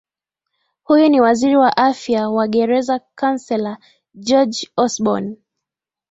huyu ni waziri wa fedha wa gereza councellor george osborn